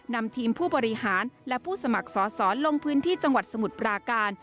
นำทีมผู้บริหารและผู้สมัครสอสอนลงพื้นที่จังหวัดสมุทรปราการ